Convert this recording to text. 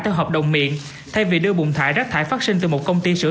theo hợp đồng miệng thay vì đưa bùng thải rác thải phát sinh từ một công ty sửa